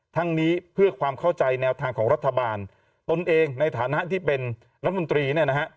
ทั้งนี้เพื่อความเข้าใจแนวทางของรัฐบาลตนเองในฐานะที่เป็นรัฐมนตรีเนี่ยนะฮะ